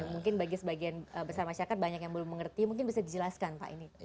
mungkin bagi sebagian besar masyarakat banyak yang belum mengerti mungkin bisa dijelaskan pak ini